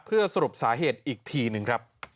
เพื่อสรุปสาเหตุอีกทีหนึ่งครับ